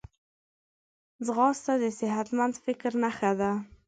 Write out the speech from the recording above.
ځغاسته د صحتمند فکر نښه ده